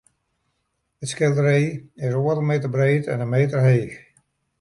It skilderij is oardel meter breed en in meter heech.